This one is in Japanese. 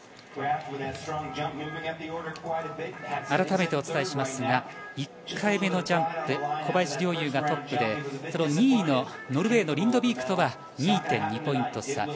あらためてお伝えしますが１回目のジャンプで小林陵侑がトップで２位のノルウェーのリンドビークとは２．２ポイント差。